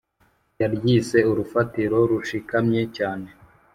yaryise ‘urufatiro rushikamye cyane